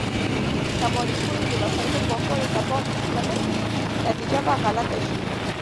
که ماري کوري د وسایلو پاکوالي ته پام ونه کړي، نتیجه به غلطه شي.